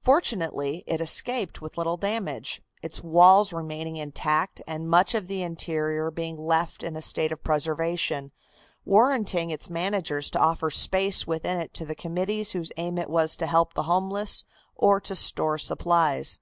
Fortunately, it escaped with little damage, its walls remaining intact and much of the interior being left in a state of preservation, warranting its managers to offer space within it to the committees whose aim it was to help the homeless or to store supplies.